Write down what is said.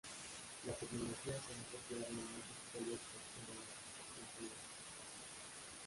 La tecnología se ha apropiado en muchos proyectos como la piscicultura.